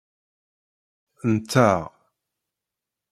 Nteɣ.